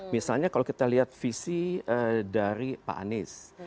misalnya kalau kita lihat visi dari pak anies